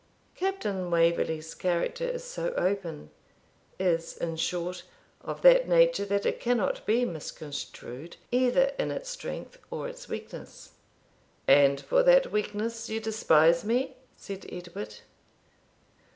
Captain Waverley's character is so open is, in short, of that nature that it cannot be misconstrued, either in its strength or its weakness.' 'And for that weakness you despise me?' said Edward.